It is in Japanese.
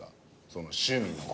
その趣味の。